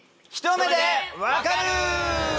ひと目でわかる‼